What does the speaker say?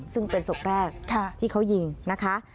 ซึ่งเป็นศพแรกที่เขายิงนะคะ